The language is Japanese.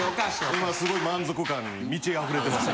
今すごい満足感に満ちあふれてます